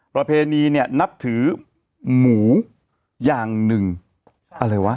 ประเพณีเนี่ยนับถือหมูอย่างหนึ่งอะไรวะ